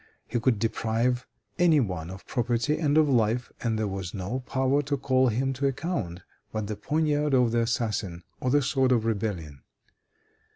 He could deprive any one of property and of life, and there was no power to call him to account but the poignard of the assassin or the sword of rebellion.